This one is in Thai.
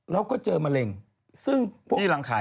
แล้วก็เจอมะเร็ง